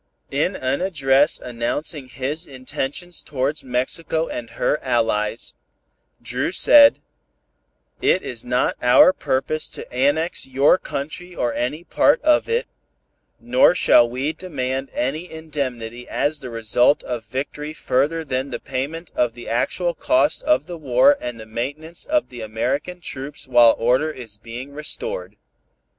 In an address announcing his intentions towards Mexico and her allies, Dru said "It is not our purpose to annex your country or any part of it, nor shall we demand any indemnity as the result of victory further than the payment of the actual cost of the war and the maintenance of the American troops while order is being restored.